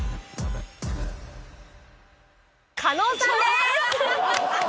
加納さんです！